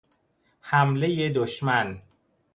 حملهی دشمن